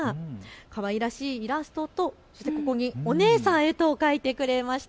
かわいらしいイラストとここにお姉さんへと書いてくれました。